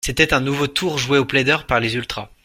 C'était un nouveau tour joué au plaideur par les ultras.